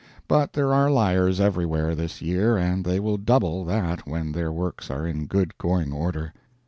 But there are liars everywhere this year, and they will double that when their works are in good going order.